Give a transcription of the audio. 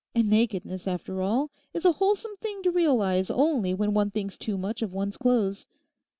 And nakedness, after all, is a wholesome thing to realize only when one thinks too much of one's clothes.